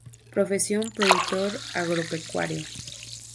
Profesión: Productor Agropecuario.